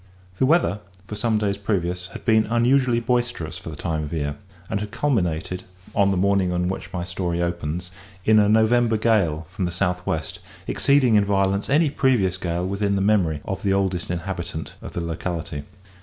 The weather, for some days previous, had been unusually boisterous for the time of year, and had culminated, on the morning on which my story opens, in a "November gale" from the south west, exceeding in violence any previous gale within the memory of "the oldest inhabitant" of the locality.